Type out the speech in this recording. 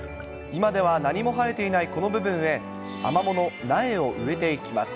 今では何も生えていないこの部分へ、アマモの苗を植えていきます。